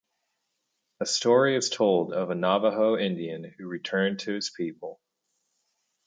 A story is told of a Navajo Indian who returned to his people.